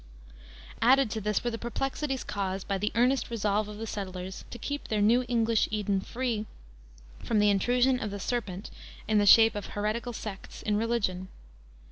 Added to this were the perplexities caused by the earnest resolve of the settlers to keep their New English Eden free from the intrusion of the serpent in the shape of heretical sects in religion.